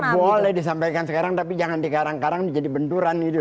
boleh disampaikan sekarang tapi jangan dikarang karang jadi benturan gitu